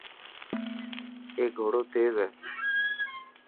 اي گهوڙو تيز هي.